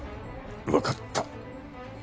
わかった。